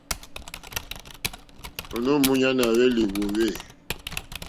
Ònô múɲánà à hwélì wòòwê.